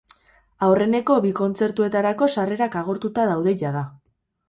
Aurreneko bi kontzertuetarako sarrerak agortuta daude jada.